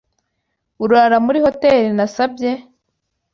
Urara muri hoteri nasabye?